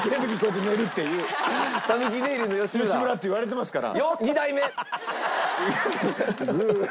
吉村って言われてますから。